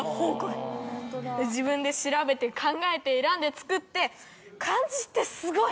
自分で調べて考えて選んで作って漢字ってすごい！